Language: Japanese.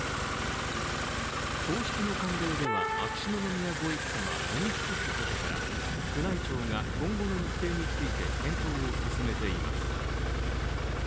皇室の慣例では、秋篠宮ご一家は喪に服すことから、宮内庁が今後の日程について検討を進めています。